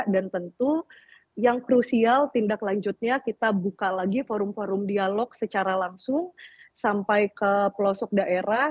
dan tentu yang krusial tindak lanjutnya kita buka lagi forum forum dialog secara langsung sampai ke pelosok daerah